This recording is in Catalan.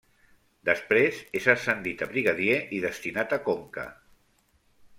Després és ascendit a brigadier i destinat a Conca.